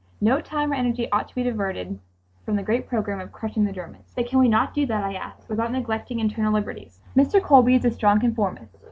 No time or energy ought to be diverted from the great program of crushing the Germans." "But can we not do that," I asked, "without neglecting internal liberties?" Mr. Colby is a strong conformist.